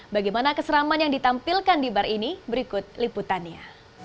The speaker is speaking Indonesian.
bagaimana keseraman yang ditampilkan di bar ini berikut liputannya